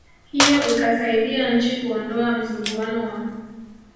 hiyo ikasaidia nchi kuondoa msuguano wa